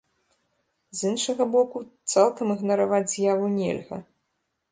З іншага боку, цалкам ігнараваць з'яву нельга.